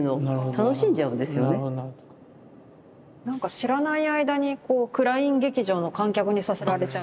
知らない間にクライン劇場の観客にさせられちゃう。